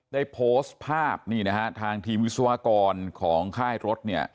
ได้โพสต์ภาพทางทีมวิศวกรของค่ายรถ